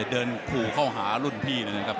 เดินขู่เข้าหารุ่นพี่เลยนะครับ